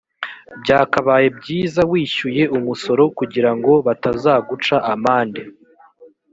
byakabaye byiza wishyuye umusoro kugirango batazaguca amande